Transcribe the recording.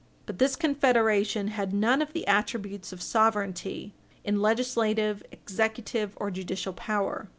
But this Confederation had none of the attributes of sovereignty in legislative, executive, or judicial power.